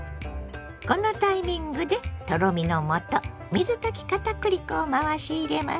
このタイミングでとろみのもと水溶き片栗粉を回し入れます。